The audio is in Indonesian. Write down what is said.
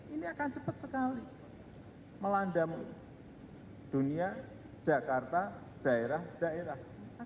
ini akan cepat sekali melandam dunia jakarta daerah daerah